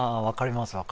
分かります